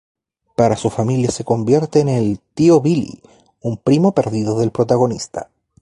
Para su familia, se convierte en el "tío Billy", un primo perdido del protagonista.